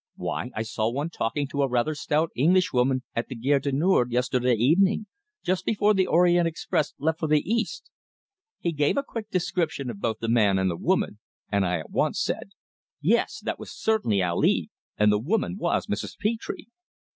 "Why, I saw one talking to a rather stout Englishwoman at the Gare du Nord yesterday evening, just before the Orient Express left for the East!" He gave a quick description of both the man and the woman, and I at once said: "Yes, that was certainly Ali, and the woman was Mrs. Petre!"